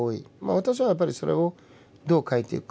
私はやっぱりそれをどう変えていくか。